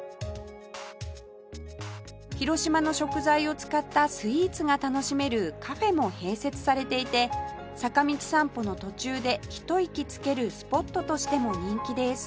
広島の食材を使ったスイーツが楽しめるカフェも併設されていて坂道散歩の途中でひと息つけるスポットとしても人気です